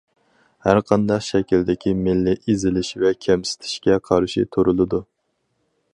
ھەرقانداق شەكىلدىكى مىللىي ئېزىلىش ۋە كەمسىتىشكە قارشى تۇرۇلىدۇ.